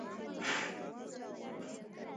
احمد د هر چا وره ته ولاړ وي او اروا سولوي.